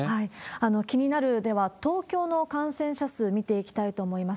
気になる、では東京の感染者数見ていきたいと思います。